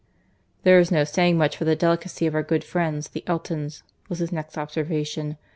"There is no saying much for the delicacy of our good friends, the Eltons," was his next observation.